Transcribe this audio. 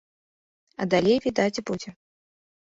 А далей відаць будзе.